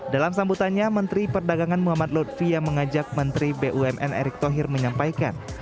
dalam sambutannya menteri perdagangan muhammad lutfi yang mengajak menteri bumn erick thohir menyampaikan